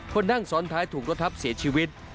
คนนั่งซ้อนท้ายถูกรถทับเสียชีวิต